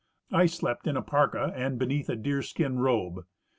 I slejjt in a parka and beneath a deerskin robe.